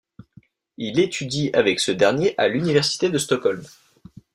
Il étudie avec ce dernier à l'université de Stockholm.